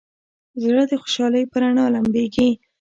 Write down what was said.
زړه د خوشحالۍ په رڼا لمبېږي.